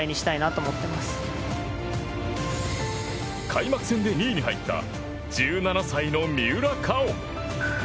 開幕戦で２位に入った１７歳の三浦佳生。